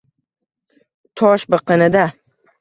Tosh biqinida